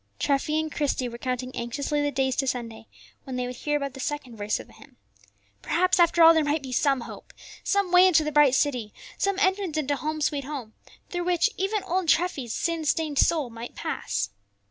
Treffy and Christie were counting anxiously the days to Sunday, when they would hear about the second verse of the hymn. Perhaps after all there might be some hope, some way into the bright city, some entrance into "Home, sweet Home," through which even old Treffy's sin stained soul might pass.